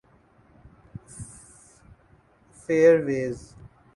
فیروئیز